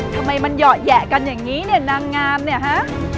ทำไมมันเหยาะแหยะกันอย่างนี้เนี่ยนางงามเนี่ยฮะ